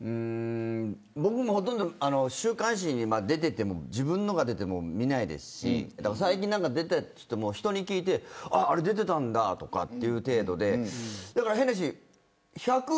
僕も、ほとんど週刊誌に自分のが出ても見ないですし最近何か出たといっても人に聞いてあれ出てたんだという程度でだから変な話１００％